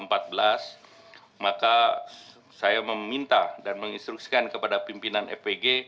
maka saya meminta dan menginstruksikan kepada pimpinan fpg